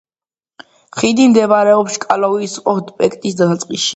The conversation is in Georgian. ხიდი მდებარეობს ჩკალოვის პროსპექტის დასაწყისში.